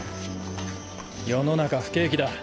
世の中不景気だ